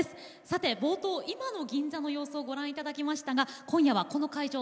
さて冒頭今の銀座の様子をご覧いただきましたが今夜はこの会場